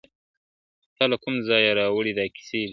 تاله کوم ځایه راوړي دا کیسې دي !.